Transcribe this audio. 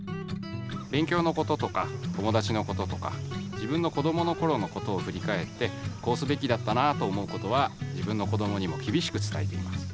べんきょうのこととか友だちのこととか自分のこどものころのことをふりかえってこうすべきだったなと思うことは自分のこどもにもきびしくつたえています。